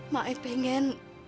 mak e pengen